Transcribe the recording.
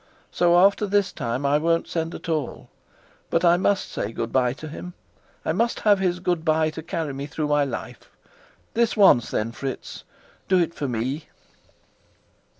So after this time I won't send at all. But I must say good by to him; I must have his good by to carry me through my life. This once, then, Fritz, do it for me."